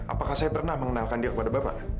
apakah saya pernah mengenalkan dia kepada bapak